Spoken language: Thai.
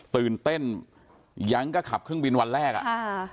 ตื่นเต้นยังก็ขับเครื่องบินวันแรกอ่ะอ่า